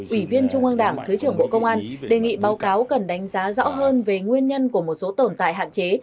ủy viên trung ương đảng thứ trưởng bộ công an đề nghị báo cáo cần đánh giá rõ hơn về nguyên nhân của một số tồn tại hạn chế